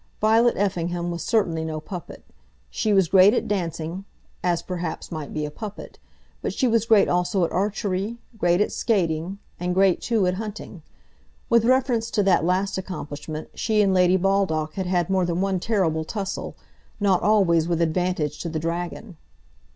Violet Effingham was certainly no puppet. She was great at dancing, as perhaps might be a puppet, but she was great also at archery, great at skating, and great, too, at hunting. With reference to that last accomplishment, she and Lady Baldock had had more than one terrible tussle, not always with advantage to the dragon.